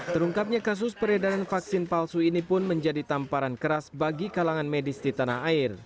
terungkapnya kasus peredaran vaksin palsu ini pun menjadi tamparan keras bagi kalangan medis di tanah air